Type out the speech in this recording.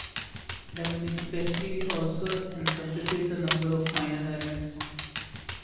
The municipality also encompasses a number of minor islands.